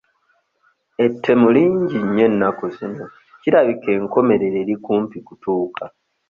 Ettemu lingi nnyo ennaku zino kirabika enkomerero eri kumpi kutuuka.